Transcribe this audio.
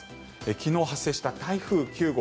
昨日発生した台風９号